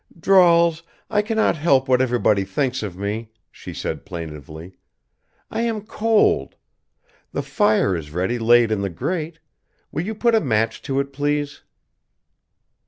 "Drawls, I cannot help what everybody thinks of me," she said plaintively. "I am cold. The fire is ready laid in the grate. Will you put a match to it, please?"